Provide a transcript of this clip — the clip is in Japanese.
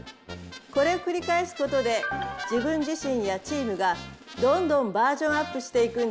これをくり返すことで自分自身やチームがどんどんバージョンアップしていくんです。